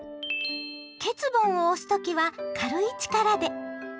缺盆を押す時は軽い力で。